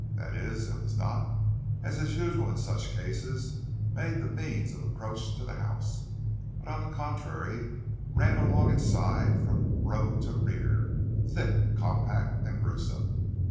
That is, it was not, as is usual in such cases, made the means of approach to the house, but on the contrary ran along its side from road to rear, thick, compact, and gruesome.